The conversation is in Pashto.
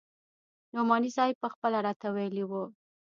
نعماني صاحب پخپله راته ويلي وو.